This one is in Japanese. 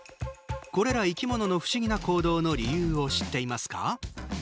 これら生き物の不思議な行動の理由を知っていますか？